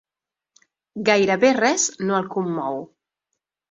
Gairebé res no el commou.